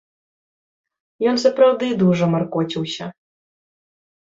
Ён сапраўды дужа маркоціўся.